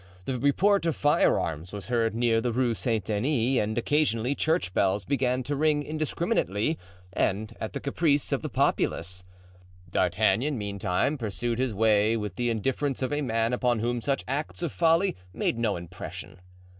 The report of firearms was heard near the Rue Saint Denis and occasionally church bells began to ring indiscriminately and at the caprice of the populace. D'Artagnan, meantime, pursued his way with the indifference of a man upon whom such acts of folly made no impression.